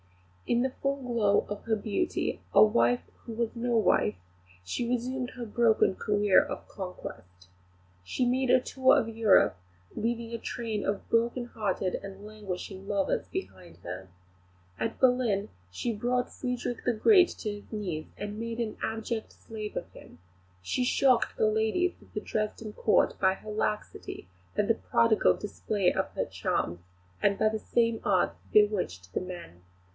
In the full glow of her beauty, a wife who was no wife, she resumed her broken career of conquest. She made a tour of Europe, leaving a train of broken hearted and languishing lovers behind her. At Berlin she brought Frederick the Great to his knees, and made an abject slave of him; she shocked the ladies of the Dresden Court by her laxity and the prodigal display of her charms, and by the same arts bewitched the men.